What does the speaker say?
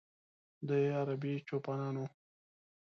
د ه عربي چوپانان و.